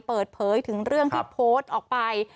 เปิดเผยถึงเรื่องที่โพสต์ออกไป